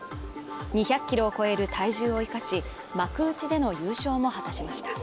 ２００キロを超える体重を生かし幕内での優勝も果たしました。